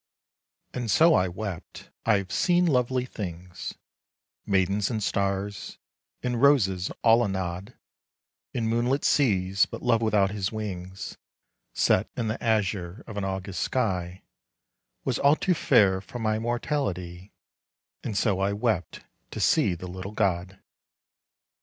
And so I wept ; I have seen lovely things, Maidens and stars and roses all a nod In moonlit seas, but Love without his wings Set in the azure of an August sky, Was all too fair for my mortality, And so I wept to see the little god.